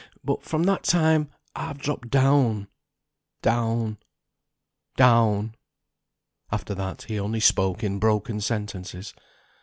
But from that time I've dropped down, down, down." After that he only spoke in broken sentences.